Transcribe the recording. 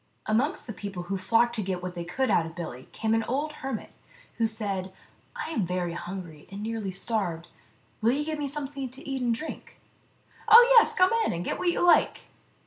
Amongst the people who flocked to get what they could out of Billy came an old hermit, who said, " I am very hungry, and nearly starved. Will you give me something to eat and drink ?"" Oh, yes ; come in and get what you like."